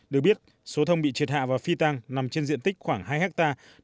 được biết số thông bị triệt hạ và phi tăng nằm trên diện tích khoảng hai hectare